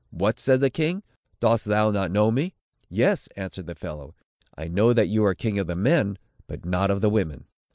"What," said the king, "dost thou not know me?" "Yes," answered the fellow, "I know that you are king of the men, but not of the women."